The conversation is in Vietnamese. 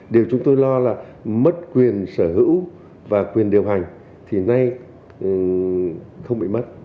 điều chúng tôi lo là mất quyền sở hữu và quyền điều hành thì nay không bị mất